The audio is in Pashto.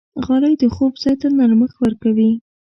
غالۍ د خوب ځای ته نرمښت ورکوي.